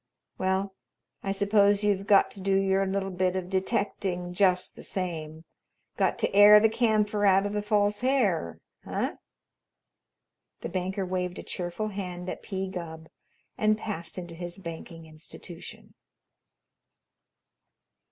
Well, I suppose you've got to do your little bit of detecting just the same. Got to air the camphor out of the false hair, eh?" The banker waved a cheerful hand at P. Gubb and passed into his banking institution.